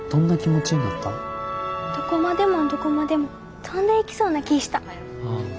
どこまでもどこまでも飛んでいきそうな気ぃした。